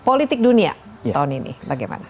politik dunia tahun ini bagaimana